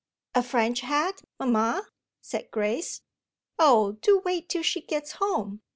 "A French hat, mamma?" said Grace. "Oh do wait till she gets home!"